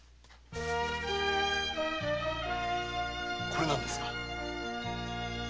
これなんですが。